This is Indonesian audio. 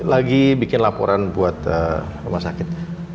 lagi bikin laporan buat rumah sakit